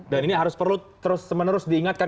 dan ini harus perlu terus menerus diingatkan